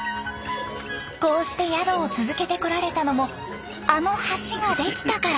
こうして宿を続けてこられたのもあの橋ができたから。